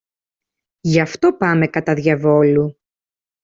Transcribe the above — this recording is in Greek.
Γι' αυτό πάμε κατά διαβόλου.